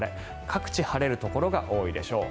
各地、晴れるところが多いでしょう。